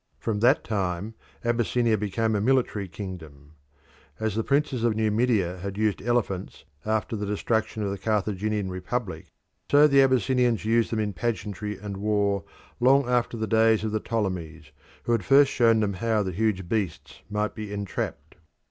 From that time Abyssinia became a military kingdom. As the princes of Numidia had used elephants after the destruction of the Carthaginian republic, so the Abyssinians used them in pageantry and war long after the days of the Ptolemies, who had first shown them how the huge beasts might be entrapped.